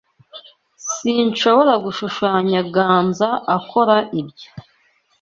Sinshobora gushushanya Ganza akora ibyo.